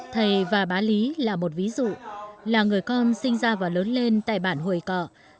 thầy và bá lý là một ví dụ là người con sinh ra và lớn lên tại bản hồi cọ